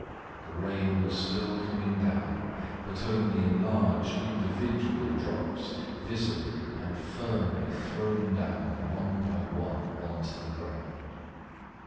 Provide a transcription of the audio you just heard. The rain was still coming down, but only in large individual drops visibly and firmly thrown down one by one onto the ground.